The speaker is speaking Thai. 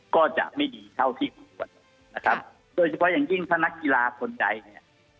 ก็จะไม่ดีเท่าที่ควรนะครับโดยเฉพาะอย่างยิ่งถ้านักกีฬาคนใดเนี่ย